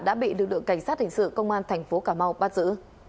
đã bị lực lượng cảnh sát hình sự công an thành phố cà mau bắt giữ